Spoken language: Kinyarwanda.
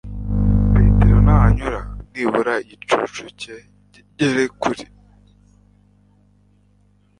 Petero nahanyura nibura igicucu cye kigere kuri